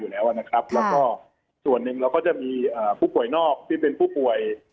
นะครับแล้วก็ส่วนหนึ่งเราก็จะมีผู้ป่วยนอกที่เป็นผู้ป่วย